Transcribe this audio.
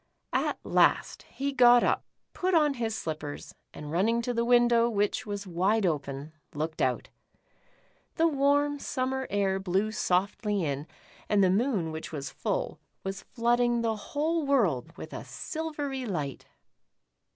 At last he got up, put on his slippers, and running to the window, which was wide open, looked out. The warm summer air blew softly in, and the moon which was full, was flooding the whole world with a silvery light.